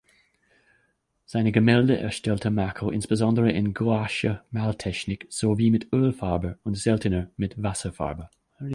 Seine Gemälde erstellte Macco insbesondere in Gouache-Maltechnik sowie mit Ölfarbe und seltener mit Wasserfarbe.